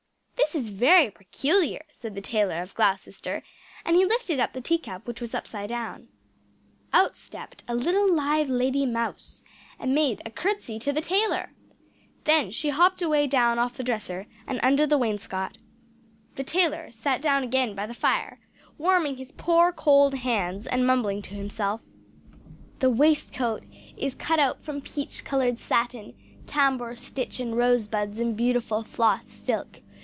_ "This is very peculiar," said the Tailor of Gloucester; and he lifted up the tea cup which was upside down. Out stepped a little live lady mouse, and made a curtsey to the tailor! Then she hopped away down off the dresser, and under the wainscot. The tailor sat down again by the fire, warming his poor cold hands, and mumbling to himself "The waistcoat is cut out from peach coloured satin tambour stitch and rose buds in beautiful floss silk.